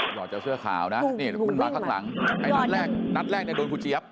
หลอกเจ้าเสื้อขาวนี่มันมาข้างหลังในให้นั้นแรกแล้วยังได้บลูกหืนพี่เจี๊ยบ